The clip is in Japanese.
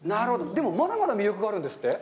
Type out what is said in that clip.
でも、まだまだ魅力があるんですね？